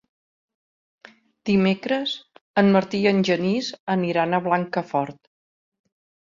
Dimecres en Martí i en Genís aniran a Blancafort.